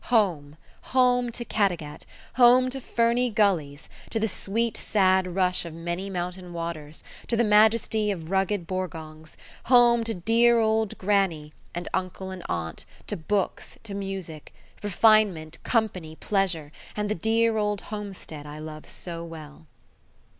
Home, home to Caddagat, home to ferny gullies, to the sweet sad rush of many mountain waters, to the majesty of rugged Borgongs; home to dear old grannie, and uncle and aunt, to books, to music; refinement, company, pleasure, and the dear old homestead I love so well.